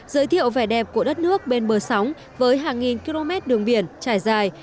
giới thiệu vẻ đẹp của đất nước bên bờ sóng với hàng nghìn km đường biển trải dài